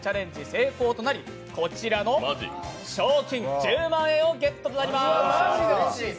成功となりこちらの賞金１０万円をゲットとなります！